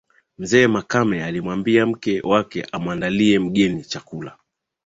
Mzee Makame alimwambia mke wake amuandalie mgeni chakula